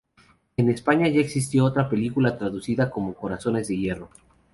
En España ya existió otra película traducida como "Corazones de hierro".